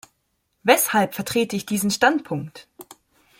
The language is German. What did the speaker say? Weshalb vertrete ich diesen Standpunkt?